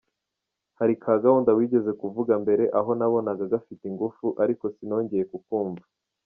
Hari ka gahunda wigeze kuvuga mbere aha nabonaga gafite ingufu, ariko sinonjyeye kukumva!!